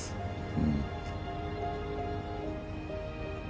うん。